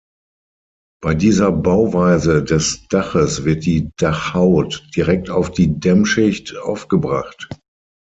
Bei dieser Bauweise des Daches wird die Dachhaut direkt auf die Dämmschicht aufgebracht.